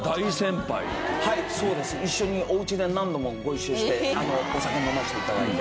一緒におうちで何度もご一緒してお酒飲ませて頂いて。